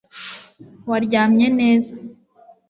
waryamye neza